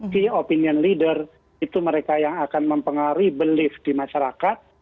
key opinion leader itu mereka yang akan mempengaruhi belief di masyarakat